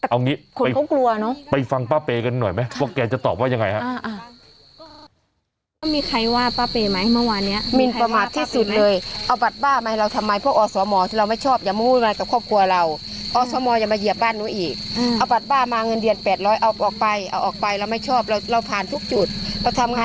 เอาอย่างนี้ไปฟังป้าเปย์กันหน่อยไหมเพราะว่าแกจะตอบว่ายังไง